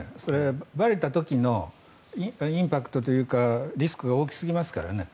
ばれた時のインパクトというかリスクが大きすぎますから。